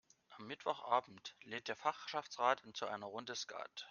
Am Mittwochabend lädt der Fachschaftsrat zu einer Runde Skat.